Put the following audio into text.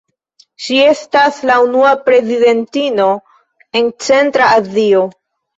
Ŝi estas la unua prezidentino en Centra Azio.